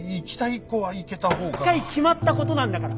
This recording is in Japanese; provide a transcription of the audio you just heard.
一回決まったことなんだから。